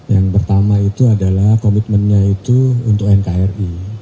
yang pertama itu adalah komitmennya itu untuk nkri